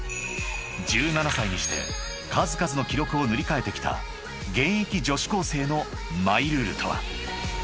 ［１７歳にして数々の記録を塗り替えてきた現役女子高生のマイルールとは］